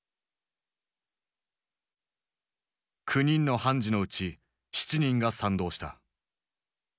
９人の判事のうち７人が賛同した。